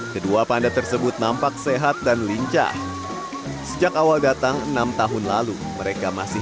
kedua panda tersebut nampak sehat dan lincah sejak awal datang enam tahun lalu mereka masih